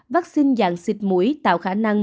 vaccine dạng xịn mũi tạo khả năng